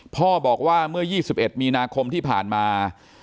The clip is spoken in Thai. พ่อบอกว่าเมื่อ๒๑มีนาคมที่ผ่านมา